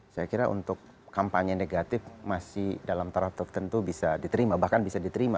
saya kira untuk kampanye negatif masih dalam taraf tertentu bisa diterima bahkan bisa diterima